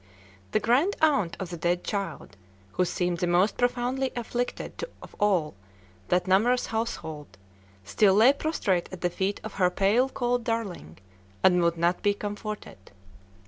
The grand aunt of the dead child, who seemed the most profoundly afflicted of all that numerous household, still lay prostrate at the feet of her pale cold darling, and would not be comforted.